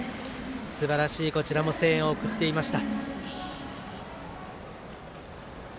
すばらしいこちらも声援を送っていました。